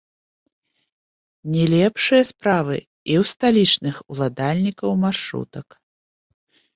Не лепшыя справы і ў сталічных уладальнікаў маршрутак.